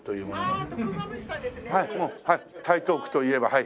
はい。